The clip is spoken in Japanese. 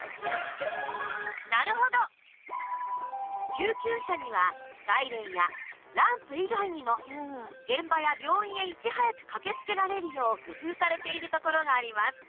救急車にはサイレンやランプ以外にも現場や病院へいち早く駆けつけられるよう工夫されているところがあります。